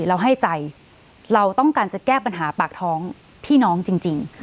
เราให้ใจเราต้องการจะแก้ปัญหาปากท้องพี่น้องจริง